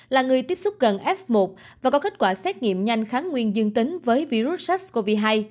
là người tiếp xúc gần f một và có kết quả xét nghiệm nhanh kháng nguyên dương tính với virus sars cov hai